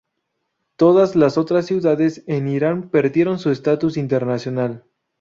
Todas las otras ciudades en Irán perdieron su estatus internacional.